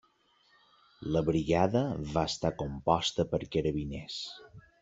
La brigada va estar composta per carabiners.